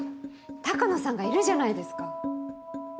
鷹野さんがいるじゃないですか。